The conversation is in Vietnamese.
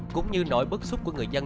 cũng như nỗi bức xúc của người dân